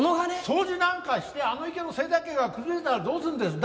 掃除なんかしてあの池の生態系が崩れたらどうするんです！